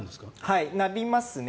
はい、なりますね。